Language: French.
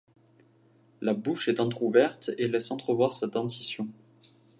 La bouche est entrouverte et laisse entrevoir sa dentition.